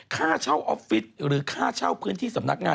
ค่าเช่าออฟฟิศหรือค่าเช่าพื้นที่สำนักงาน